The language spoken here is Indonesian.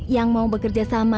yang mau bekerja sama dengan kita